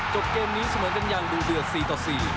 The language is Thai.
จบเกมนี้เสมอกันอย่างดูเดือด๔ต่อ๔